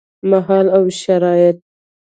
مهال او شرايط: